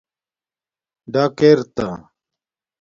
ڈاک ار تا